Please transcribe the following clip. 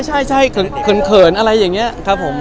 ใช่เขินอะไรอย่างนี้ครับผม